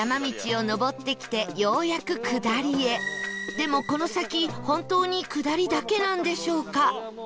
でもこの先本当に下りだけなんでしょうか？